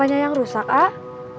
apanya yang rusak ah